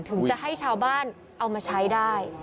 ถึงจะให้ชาวบ้านเอามาใช้ได้